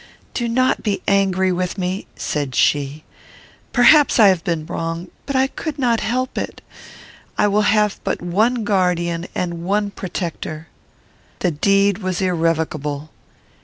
"Do not be angry with me," said she; "perhaps I have been wrong, but I could not help it. I will have but one guardian and one protector." The deed was irrevocable.